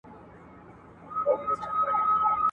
مخ که مي کعبې، که بتخاتې ته اړولی دی .